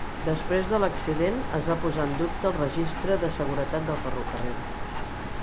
Després de l'accident es va posar en dubte el registre de seguretat del ferrocarril.